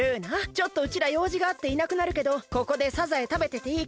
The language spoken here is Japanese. ちょっとうちらようじがあっていなくなるけどここでサザエたべてていいから！